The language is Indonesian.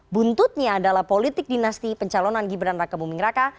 buntutnya adalah politik dinasti pencalonan gibran raka buming raka